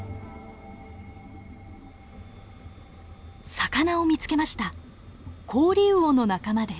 魚を見つけました。